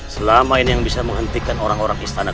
selama ini yang bisa menghentikan orang orang istana